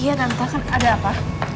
iya nanti kan ada apa